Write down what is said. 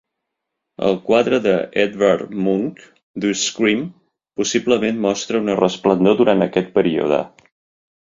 El quadre de Edvard Munch "The Scream" possiblement mostra una resplendor durant aquest període.